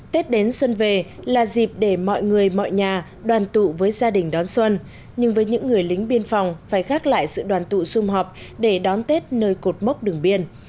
tết đến xuân về là dịp để mọi người mọi nhà đoàn tụ với gia đình đón xuân nhưng với những người lính biên phòng phải gác lại sự đoàn tụ xung họp để đón tết nơi cột mốc đường biên